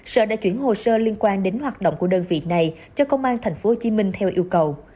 sở đã chuyển hồ sơ liên quan đến hoạt động của đơn vị này cho công an tp hcm theo yêu cầu